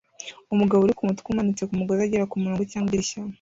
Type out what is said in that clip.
Umugabo uri kumutwe umanitse kumugozi agera kumurongo cyangwa idirishya